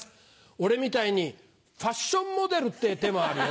俺みたいにファッションモデルってぇ手もあるよ。